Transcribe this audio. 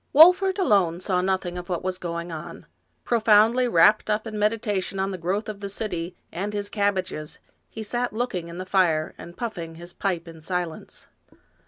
Wolfert alone saw nothing of what was going on. Pro foundly wrapt up in meditation on the growth of the city 169 American Mystery Stories and his cabbages, he sat looking in the fire, and puffing his pipe in silence.